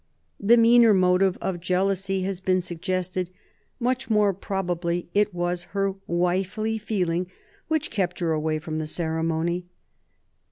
The meaner motive of jealousy has been suggested ; much more probably it was her wifely feeling which kept her away from the ceremony.